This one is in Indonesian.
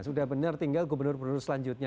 sudah benar tinggal gubernur gubernur selanjutnya